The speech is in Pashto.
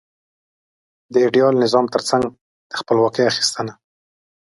د ایډیال نظام ترڅنګ د خپلواکۍ اخیستنه.